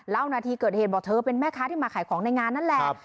นาทีเกิดเหตุบอกเธอเป็นแม่ค้าที่มาขายของในงานนั่นแหละ